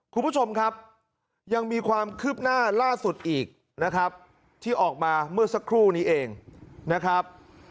คุณผู้ชมครับยังมีความคืบหน้าล่าสุดอีกนะครับที่ออกมาเมื่อสักครู่นี้เองนะครับ